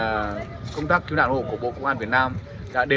đoàn công tác đã tổ chức đi thăm hỏi những người dân là những nạn nhân của chân đồng đất